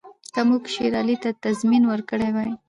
که موږ شېر علي ته تضمین ورکړی وای.